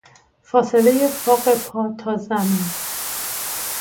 فاصله فاق پا تا زمین.